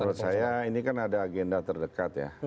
menurut saya ini kan ada agenda terdekat ya